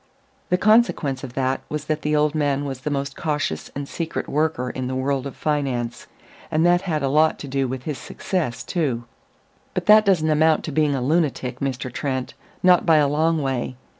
The consequence of that was that the old man was the most cautious and secret worker in the world of finance; and that had a lot to do with his success, too.... But that doesn't amount to being a lunatic, Mr. Trent; not by a long way.